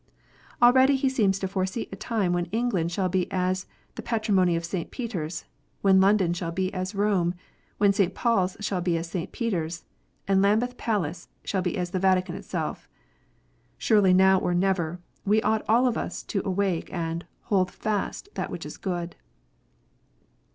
Already he seems to foresee a time when England shall be as the patrimony of St. Peter s, when London shall be as Koine, when St. Paul s shall be as St. Peter s, and Lambeth Palace shall be as the Vatican itself. Surely now or never, we ought all of us to awake, and " Hold fast that which is good."